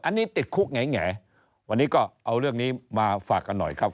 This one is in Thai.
อันนี้ติดคุกแง่วันนี้ก็เอาเรื่องนี้มาฝากกันหน่อยครับ